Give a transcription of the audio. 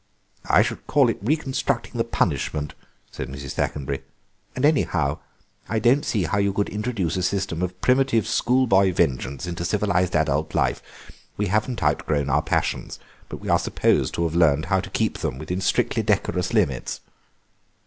"I should call it reconstructing the punishment," said Mrs. Thackenbury; "and, anyhow, I don't see how you could introduce a system of primitive schoolboy vengeance into civilised adult life. We haven't outgrown our passions, but we are supposed to have learned how to keep them within strictly decorous limits."